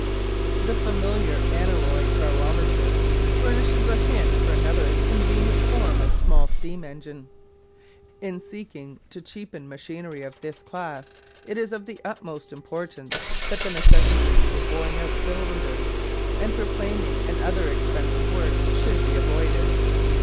The familiar aneroid barometer furnishes a hint for another convenient form of small steam engine. In seeking to cheapen machinery of this class it is of the utmost importance that the necessity for boring out cylinders and for planing and other expensive work should be avoided.